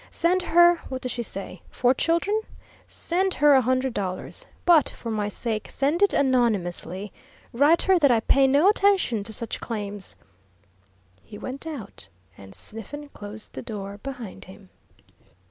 Send her what does she say four children? send her a hundred dollars. But, for my sake, send it anonymously. Write her that I pay no attention to such claims." He went out, and Sniffen closed the door behind him.